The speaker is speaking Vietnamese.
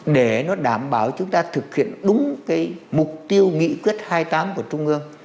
để nó đảm bảo chúng ta thực hiện đúng cái mục tiêu nghị quyết hai mươi tám của trung ương